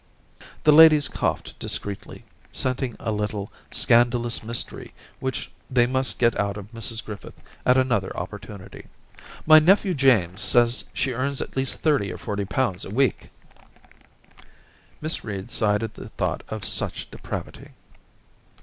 * The ladies coughed discreetly, scenting a little scandalous mystery which they must get out of Mrs Griffith at another opportunity. * My nephew James says she earns at least thirty or forty pounds a week.' Miss Reed sighed at the thought of such depravity.